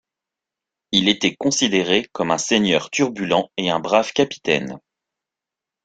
Il était considéré comme un seigneur turbulent et un brave capitaine.